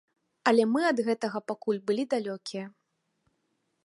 Але мы ад гэтага пакуль былі далёкія.